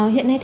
hiện nay thì